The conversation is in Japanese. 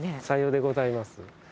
さようでございます。